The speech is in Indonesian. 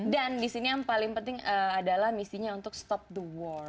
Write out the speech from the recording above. dan di sini yang paling penting adalah misinya untuk stop the war